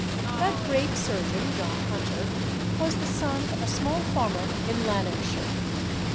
That great surgeon, John Hunter, was the son of a small farmer in Lanarkshire.